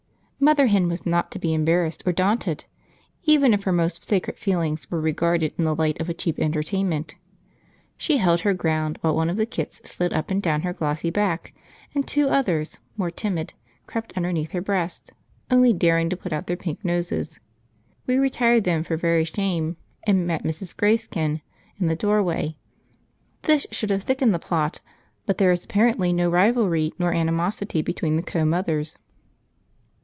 Mother Hen was not to be embarrassed or daunted, even if her most sacred feelings were regarded in the light of a cheap entertainment. She held her ground while one of the kits slid up and down her glossy back, and two others, more timid, crept underneath her breast, only daring to put out their pink noses! We retired then for very shame and met Mrs. Greyskin in the doorway. This should have thickened the plot, but there is apparently no rivalry nor animosity between the co mothers.